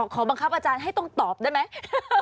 ขอบังคับอาจารย์ให้ต้องตอบได้ไหม